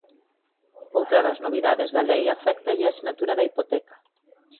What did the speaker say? Outra das novidades da lei aféctalle á sinatura da hipoteca.